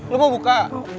lo mau buka